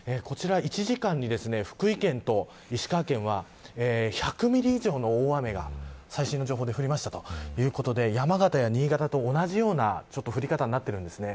１時間に福井県と石川県は１００ミリ以上の大雨が最新の情報で降りましたということで山形や新潟と同じような降り方になっているんです。